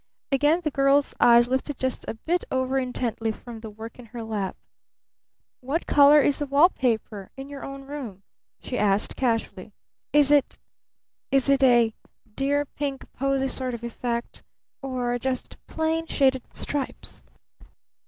Again the girl's eyes lifted just a bit over intently from the work in her lap. "What color is the wall paper in your own room?" she asked casually. "Is it is it a dear pinkie posie sort of effect? Or just plain shaded stripes?"